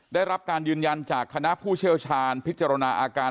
ได้รับการยืนยันจากคณะผู้เชี่ยวชาญพิจารณาอาการ